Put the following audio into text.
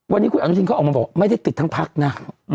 วันนี้คุณอนุทินเขาออกมาบอกไม่ได้ติดทั้งพักนะ